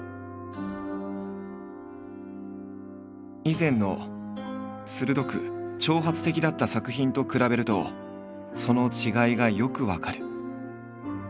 以前の鋭く挑発的だった作品と比べるとその違いがよく分かる。